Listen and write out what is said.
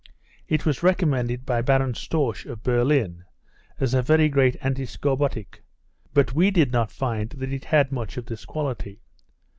It was recommended by Baron Storsch, of Berlin, as a very great antiscorbutic; but we did not find that it had much of this quality.